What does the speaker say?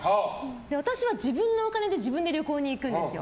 私は自分のお金で自分で旅行に行くんですよ。